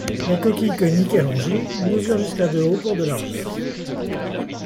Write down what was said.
La coquille conique, allongée, mesure jusqu'à de haut pour de largeur.